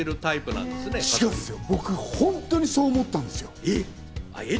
いや僕、本当にそう思ったんですよ。